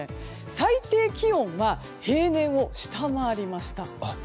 最低気温が平年を下回りました。